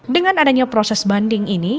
dengan adanya proses banding ini